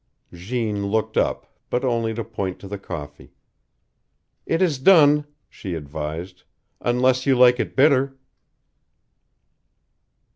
Jeanne looked up, but only to point to the coffee. "It is done," she advised, "unless you like it bitter."